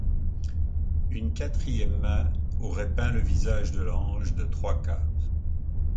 Une quatrième main aurait peint le visage de l'ange de trois-quarts.